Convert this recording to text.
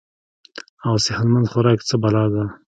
او صحت مند خوراک څۀ بلا ده -